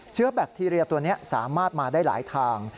แบคทีเรียตัวนี้สามารถมาได้หลายทาง